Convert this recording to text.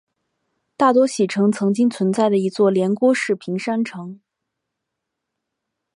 大多喜城曾经存在的一座连郭式平山城。